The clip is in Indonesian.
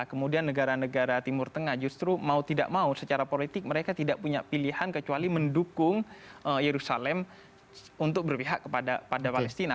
kemudian negara negara timur tengah justru mau tidak mau secara politik mereka tidak punya pilihan kecuali mendukung yerusalem untuk berpihak kepada palestina